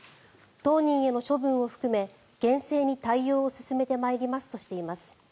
当人への処分を含め厳正に対応を進めてまいりますとしています。